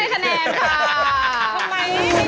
ทำไมไม่เชื่อตัวเองค่ะ